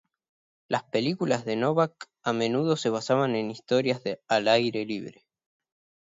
Las películas de Novak a menudo se basaban en historias al aire libre.